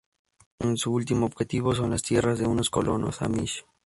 Su último objetivo son las tierras de unos colonos Amish.